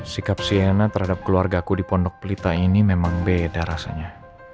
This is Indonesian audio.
sikap sienna terhadap keluargaku di pondok pelita ini memang beda rasanya